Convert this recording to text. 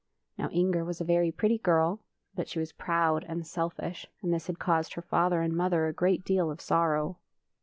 Now Inger was a veiy pretty girl, but she was proud and selfish, and this had caused her father and mother a great deal of sorrow.